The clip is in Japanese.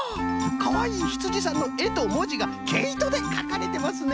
かわいいヒツジさんのえともじがけいとでかかれてますね。